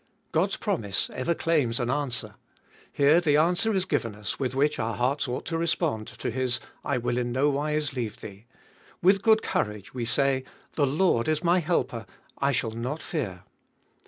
God's promise ever claims an answer. Here the answer is given us with which our hearts ought to respond to His I will in no wise leave thee ; with good courage we say, the Lord is my helper, I shall not fear.